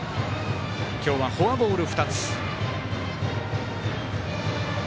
今日はフォアボール２つ。